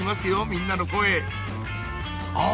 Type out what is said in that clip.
みんなの声お！